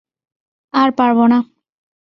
আর পারবো না।